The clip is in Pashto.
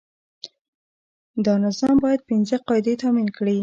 دا نظام باید پنځه قاعدې تامین کړي.